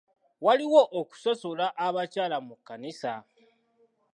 Waliwo okusosola abakyala mu kkanisa.